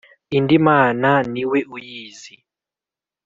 indi mana ni we uyizi